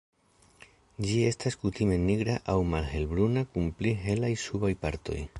Ĝi estas kutime nigra al malhelbruna kun pli helaj subaj partoj.